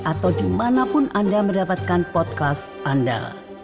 atau dimanapun anda mendapatkan podcast anda